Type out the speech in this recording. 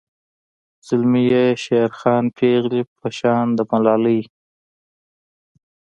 زلمي یی شیرخان پیغلۍ په شان د ملالۍ